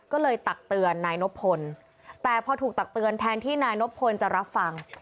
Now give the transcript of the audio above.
ก็เลยตักเตือนนายนบพลแต่พอถูกตักเตือนแทนที่นายนบพลจะรับฟัง